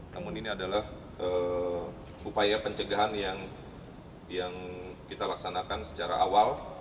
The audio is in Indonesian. namun ini adalah upaya pencegahan yang kita laksanakan secara awal